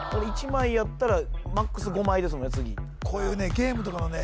ゲームとかのね